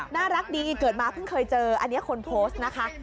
น่ารักดีเกิดมาเพิ่งเคยเจออันนี้คนโพสต์นะคะ